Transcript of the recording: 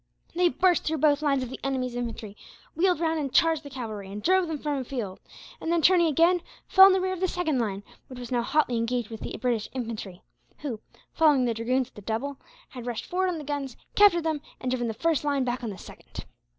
They burst through both lines of the enemy's infantry, wheeled round and charged the cavalry, and drove them from the field; and then turning again, fell on the rear of the second line, which was now hotly engaged with the British infantry who, following the Dragoons at the double, had rushed forward on the guns, captured them, and driven the first line back on the second.